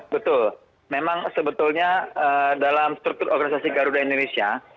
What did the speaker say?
betul memang sebetulnya dalam struktur organisasi garuda indonesia